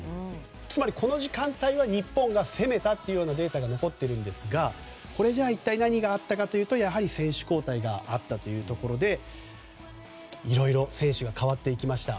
つまりこの時間帯は日本が攻めたというデータが残っているんですがじゃあ一体何があったかというとやはり選手交代があったということでいろいろ、選手が代わっていきました。